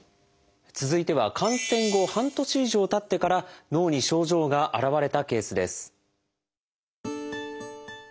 続いては感染後半年以上たってから脳に症状が現れたケースです。